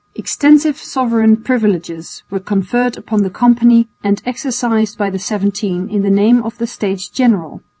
Extensive sovereign privileges were conferred upon the company and exercised by the Seventeen in the name of the States General.